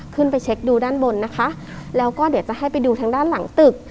เช็คดูด้านบนนะคะแล้วก็เดี๋ยวจะให้ไปดูทางด้านหลังตึก